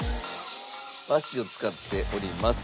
和紙を使っております。